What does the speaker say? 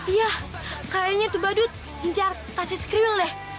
iya kayaknya itu badut mengejar kasih skriwil deh